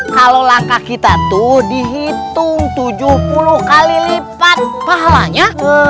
kalau langkah kita tuh dihitung tujuh puluh kali lipat pahalanya